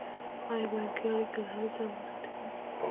آیا بانکي اړیکې یې له نړۍ سره محدودې نه دي؟